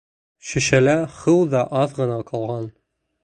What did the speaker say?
Шешәлә һыу ҙа аҙ ғына ҡалған.